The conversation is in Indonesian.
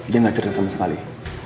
dia nggak cerita sama sekali